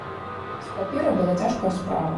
З паперай была цяжкая справа.